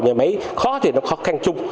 nhà máy khó thì nó khó khăn chung